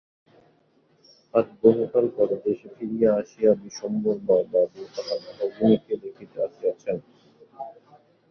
আজ বহুকাল পরে দেশে ফিরিয়া আসিয়া বিশ্বম্ভরবাবু তাঁহার ভগিনীকে দেখিতে আসিয়াছেন।